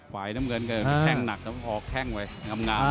ฝ่ายน้ำเงินก็แท่งหนักพอแท่งใว้นำงาม